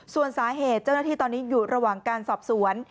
ส่วนสาเหตุเจ้าหน้าที่ตอนนี้อยู่ระหว่างการสอบสวน